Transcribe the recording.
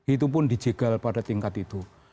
itu pun dijegal pada tingkat itu